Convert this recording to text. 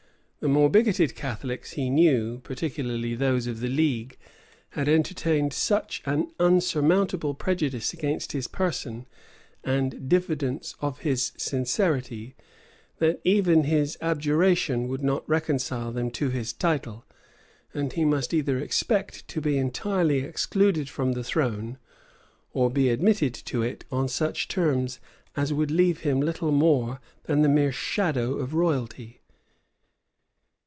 The more bigoted Catholics, he knew, particularly those of the league, had entertained such an unsurmountable prejudice against his person, and diffidence of his sincerity, that even his abjuration would not reconcile them to his title; and he must either expect to be entirely excluded from the throne, or be admitted to it on such terms as would leave him little more than the mere shadow of royalty.